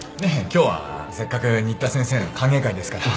今日はせっかく新田先生の歓迎会ですから。